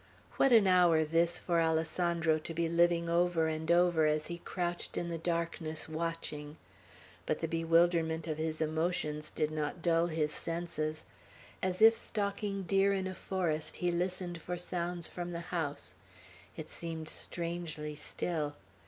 What an hour this for Alessandro to be living over and over, as he crouched in the darkness, watching! But the bewilderment of his emotions did not dull his senses. As if stalking deer in a forest, he listened for sounds from the house. It seemed strangely still.